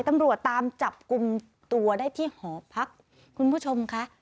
ตำรวจตามจับกลุ่มตัวได้ที่หอพักคุณผู้ชมค่ะ